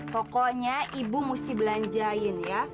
pokoknya ibu mesti belanjain ya